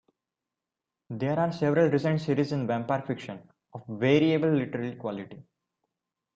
There are several recent series in vampire fiction, of variable literary quality.